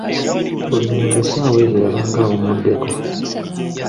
Buli muntu essaawa ezo yabanga awummuddeko.